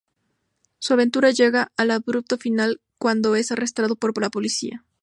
Su aventura llega a un abrupto final cuando es arrestado por la policía.